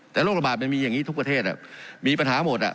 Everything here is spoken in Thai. แต่โรคระบาดมันมีอย่างนี้ทุกประเทศมีปัญหาหมด